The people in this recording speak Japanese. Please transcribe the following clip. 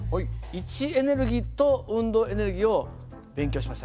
位置エネルギーと運動エネルギーを勉強しましたね。